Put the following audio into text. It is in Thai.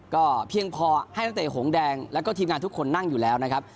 ก็เพียงพอให้นักเตะหงแดงแล้วก็ทีมงานทุกคนนั่งอยู่แล้วนะครับ